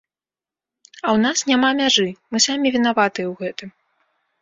А ў нас няма мяжы, мы самі вінаватыя ў гэтым.